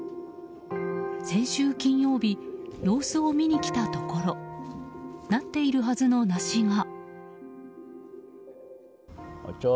先週金曜日様子を見に来たところなっているはずの梨が。